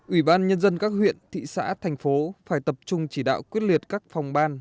ủy ban nhân dân các huyện thị xã thành phố phải tập trung chỉ đạo quyết liệt các phòng ban